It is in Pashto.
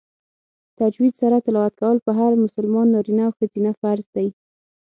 تجوید سره تلاوت کول په هر مسلمان نارینه او ښځینه فرض دی